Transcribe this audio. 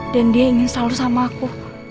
dan dia ingin selalu sama aku